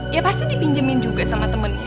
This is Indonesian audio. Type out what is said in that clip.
ya pasti dipinjemin juga sama temennya